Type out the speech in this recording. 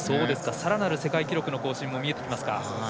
さらなる世界記録の更新が見えてきますか。